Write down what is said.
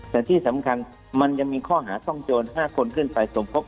แต่ที่สำคัญมันยังมีข้อหาต้องโจร๕คนขึ้นไปสมทบ